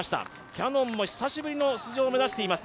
キヤノンも久しぶりの出場を目指しています。